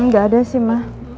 gak ada sih ma